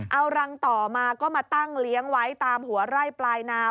เอารังต่อมาก็มาตั้งเลี้ยงไว้ตามหัวไร่ปลายนา